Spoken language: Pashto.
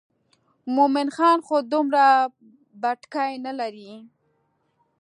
مومن خان خو دومره بتکۍ نه لري.